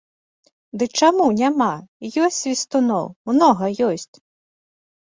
Ды чаму няма, ёсць свістуноў, многа ёсць.